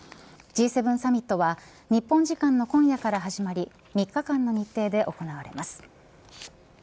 Ｇ７サミットは日本時間の今夜から始まり３日間の日程で行われます。